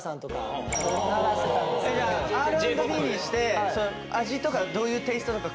じゃあＲ＆Ｂにして味とかどういうテーストとか。